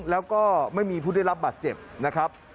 แล้วก็ไม่มีผู้ได้รับบาดเจ็บนะครับ